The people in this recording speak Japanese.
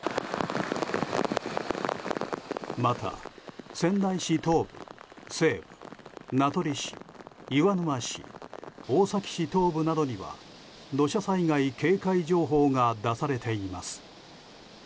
また、仙台市東部、西部名取市、岩沼市大崎市東部などには土砂災害警戒情報が出されています。